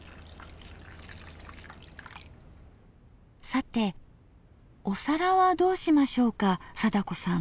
さてお皿はどうしましょうか貞子さん。